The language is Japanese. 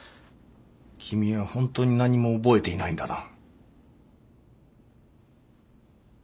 君はホントに何も覚えていないんだな。